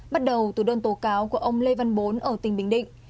bắt đầu từ đơn tố cáo của ông lê văn bốn ở tỉnh bình định